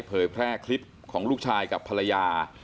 เผยแพร่คลิปของลูกชายกับภรรยา